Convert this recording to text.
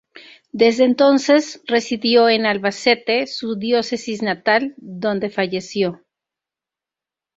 Desde entonces residió en Albacete, su diócesis natal, donde falleció.